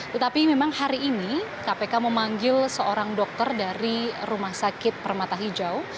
tetapi memang hari ini kpk memanggil seorang dokter dari rumah sakit permata hijau